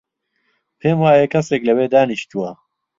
پێم وایە کەسێک لەوێ دانیشتووە.